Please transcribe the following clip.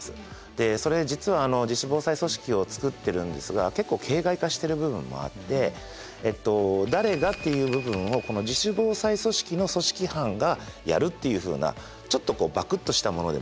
でそれ実は自主防災組織を作ってるんですが結構形骸化してる部分もあって「誰が」っていう部分をこの自主防災組織の組織班がやるっていうふうなちょっとばくっとしたものでも結構なんですね。